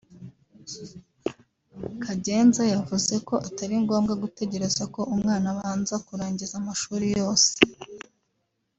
Kagenza yavuze ko atari ngombwa gutegereza ko umwana abanza kurangiza amashuri yose